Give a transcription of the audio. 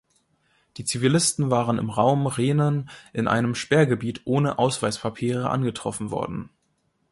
Die Zivilisten waren im Raum Rhenen in einem Sperrgebiet ohne Ausweispapiere angetroffen worden.